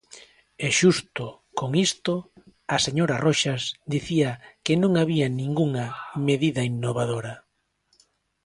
E, xusto con isto, a señora Roxas dicía que non había ningunha medida innovadora.